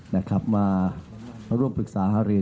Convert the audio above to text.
นะครับมาร่วมปรึกษาหารือ